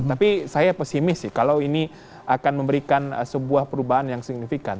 tapi saya pesimis sih kalau ini akan memberikan sebuah perubahan yang signifikan